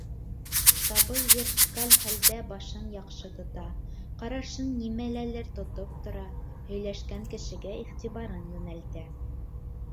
Сабый вертикаль хәлдә башын яҡшы тота, ҡарашын нимәләлер тотоп тора, һөйләшкән кешегә иғтибарын йүнәлтә.